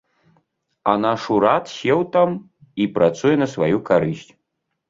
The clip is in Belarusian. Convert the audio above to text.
А наш урад сеў там і працуе на сваю карысць.